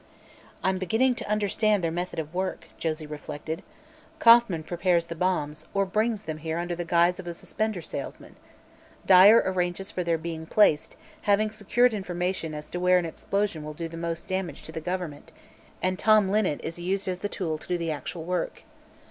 "I'm beginning to understand their method of work," Josie reflected. "Kauffman prepares the bombs, or brings them here under the guise of a suspender salesman; Dyer arranges for their being placed, having secured information as to where an explosion will do the most damage to the government, and Tom Linnet is used as the tool to do the actual work.